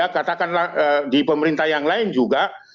katakanlah di pemerintah yang lain juga